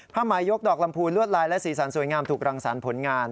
หมายยกดอกลำพูนลวดลายและสีสันสวยงามถูกรังสรรค์ผลงาน